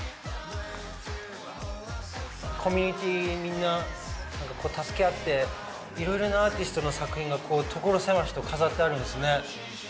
コミュニティー、みんな助け合っていろいろなアーティストの作品が所狭しと飾ってあるんですね。